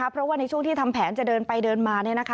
เพราะว่าในช่วงที่ทำแผนจะเดินไปเดินมา